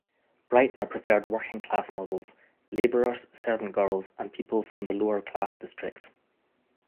Breitner preferred working-class models: labourers, servant girls and people from the lower class districts.